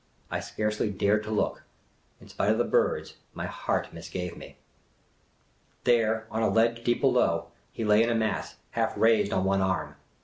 I scarcely dared to look. In spite of the birds, my heart mis gave me. There, on a ledge deep below, he lay in a mass, half raised on one arm.